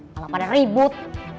kalau pada ribut